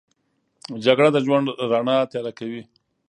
جګړه د ژوند رڼا تیاره کوي